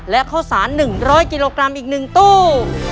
และข้าวสาร๑๐๐กิโลกรัมอีก๑ตู้